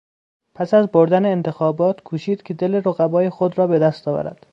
پس از بردن انتخابات کوشید که دل رقبای خود را به دست آورد.